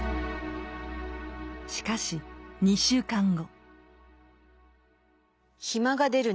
しかし２週間後。